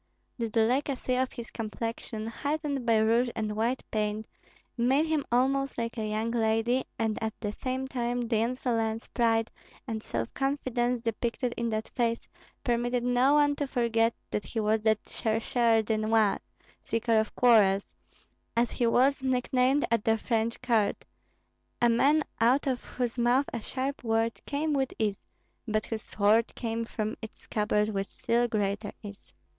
The delicacy of his complexion, heightened by rouge and white paint, made him almost like a young lady; and at the same time the insolence, pride, and self confidence depicted in that face permitted no one to forget that he was that chercheur de noises (seeker of quarrels), as he was nicknamed at the French court, a man out of whose mouth a sharp word came with ease, but whose sword came from its scabbard with still greater ease.